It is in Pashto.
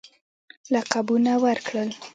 لقبونه ورکړل.